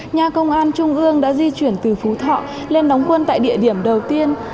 nhà công an trung ương đã di chuyển từ phú thọ lên đóng quân tại địa điểm đầu tiên